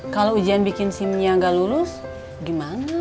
kalau ujian bikin sim nya nggak lulus gimana